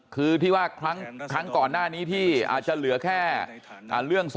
คือที่ว่าครั้งก่อนหน้านี้ที่อาจจะเหลือแค่เรื่อง๒